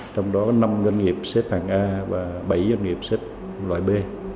trong đó năm doanh nghiệp xếp hàng a và bảy doanh nghiệp xếp loại b